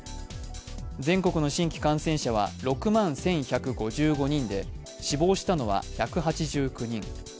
全国の新規感染者は６万１１５５人で死亡したのは１８９人。